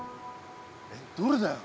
えっどれだよ？